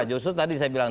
justru tadi saya bilang